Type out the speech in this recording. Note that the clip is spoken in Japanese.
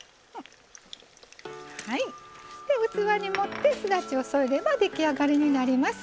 器に盛ってすだちを添えれば出来上がりになります。